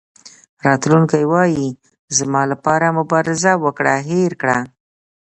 راتلونکی وایي زما لپاره مبارزه وکړه هېر کړه.